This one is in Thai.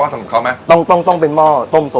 สำหรับเขามั้ยต้องต้องเป็นม่อต้มโซ